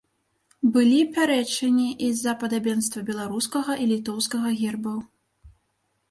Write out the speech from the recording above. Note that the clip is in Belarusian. Былі пярэчанні і з-за падабенства беларускага і літоўскага гербаў.